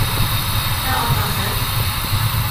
Ә атаһы: